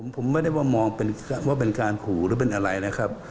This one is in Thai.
ผมไม่ได้ว่ามองว่าเป็นการขู่หรือเป็นอะไรนะครับ